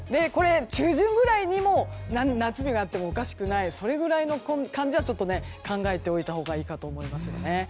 中旬ぐらいにも夏日が来てもおかしくないそれくらいの感じは考えておいたほうがいいと思います。